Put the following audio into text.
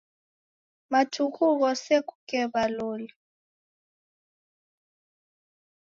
Matuku ghose kuke waloli.